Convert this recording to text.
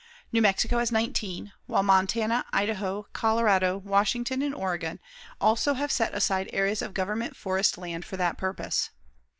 New Mexico has 19, while Montana, Idaho, Colorado, Washington and Oregon also have set aside areas of government forest land for that purpose.